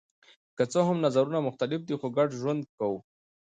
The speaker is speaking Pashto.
که څه هم نظرونه مختلف دي خو ګډ ژوند کوو.